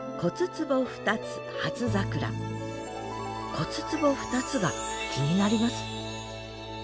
「骨壷ふたつ」が気になります